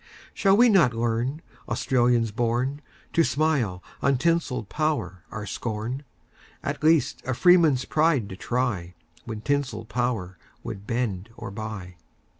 Shall we not learn, Australians born! To smile on tinselled power our scorn,—At least, a freeman's pride to try, When tinselled power would bend or buy?